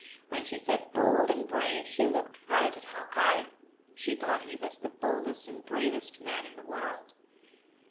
When she said "bold and brave," she looked right at Hawk Eye. She thought he was the boldest and bravest man in the world.